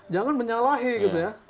jangan menyalahi gitu ya